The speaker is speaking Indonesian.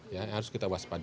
ya harus kita waspadai